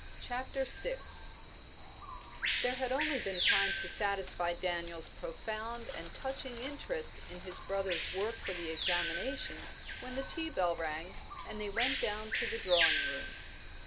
CHAPTER VI There had only been time to satisfy Daniel's profound and touching interest in his brother's work for the examination when the tea bell rang, and they went down to the drawing room.